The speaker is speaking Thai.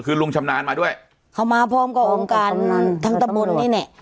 คือลุงชำนาญมาด้วยเขามาพร้อมกับองค์การทั้งตะบนนี่แหละ